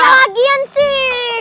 ya lagian sih